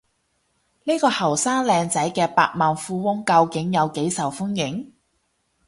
呢個後生靚仔嘅百萬富翁究竟有幾受歡迎？